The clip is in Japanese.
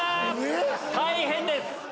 大変です。